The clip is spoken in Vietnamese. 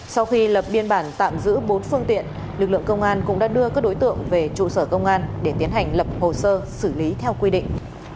sau khi lập biên bản tạm giữ bốn phương tiện lực lượng công an cũng đã đưa các đối tượng về trụ sở công an để tiến hành lập hồ sơ xử lý theo quy định